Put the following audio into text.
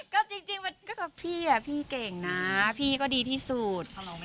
ก็จริงพี่เก่งนะพี่ก็ดีที่สุด